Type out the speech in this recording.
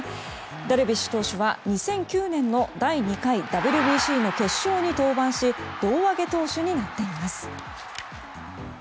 ダルビッシュ投手は２００９年の第２回ＷＢＣの決勝に登板し胴上げ投手になっています。